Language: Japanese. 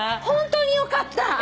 本当によかった！